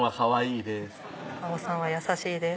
「真帆さんは優しいです」